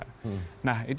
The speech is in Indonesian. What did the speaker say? nah itu yang penting